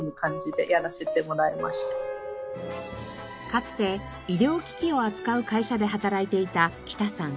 かつて医療機器を扱う会社で働いていた北さん。